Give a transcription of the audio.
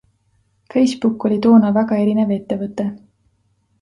Facebook oli toona väga erinev ettevõte.